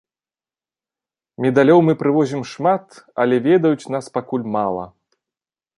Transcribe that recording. Медалёў мы прывозім шмат, але ведаюць нас пакуль мала.